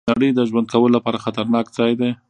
نړۍ د ژوند کولو لپاره خطرناک ځای دی.